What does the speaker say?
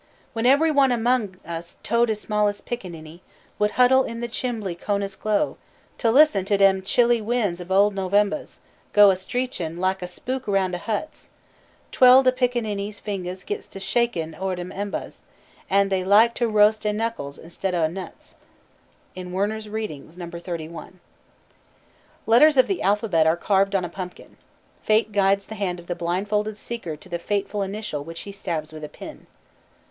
"When ebery one among us toe de smallest pickaninny Would huddle in de chimbley cohnah's glow, Toe listen toe dem chilly win's ob ole Novembah's Go a screechin' lack a spook around de huts, 'Twell de pickaninnies' fingahs gits to shakin' o'er de embahs, An' dey laik ter roas' dey knuckles 'stead o' nuts." IN WERNER'S Readings, Number 31. Letters of the alphabet are carved on a pumpkin. Fate guides the hand of the blindfolded seeker to the fateful initial which he stabs with a pin.